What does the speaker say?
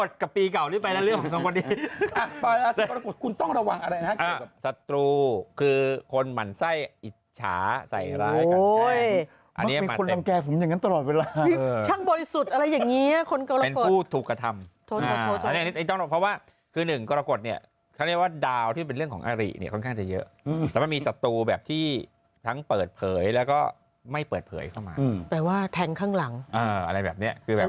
แต่งงานได้นะครับระวังเรื่องการต่อเติมภายในบ้านที่อยู่อาศัยฉะนั้น